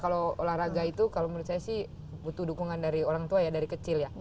kalau olahraga itu kalau menurut saya sih butuh dukungan dari orang tua ya dari kecil ya